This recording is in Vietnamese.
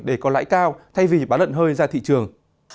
để có lãi cao thay vì bán lợn hơi ra thị trường